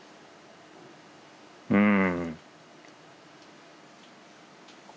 うん。